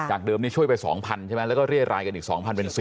เดิมนี้ช่วยไป๒๐๐ใช่ไหมแล้วก็เรียรายกันอีก๒๐๐เป็น๔๐